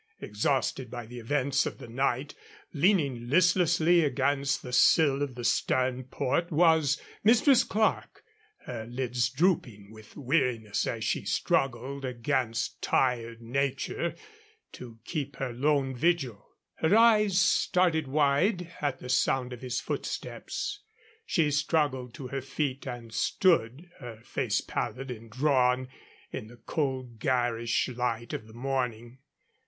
Exhausted by the events of the night, leaning listlessly against the sill of the stern port, was Mistress Clerke, her lids drooping with weariness as she struggled against tired nature to keep her lone vigil. Her eyes started wide at the sound of his footsteps. She struggled to her feet and stood, her face pallid and drawn, in the cold, garish light of the morning.